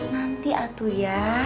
nanti atu ya